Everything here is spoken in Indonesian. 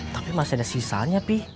tapi masih ada sisanya sih